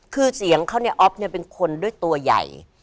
คือเสียงเขาเนี่ยอ๊อฟเนี่ยเป็นคนด้วยตัวใหญ่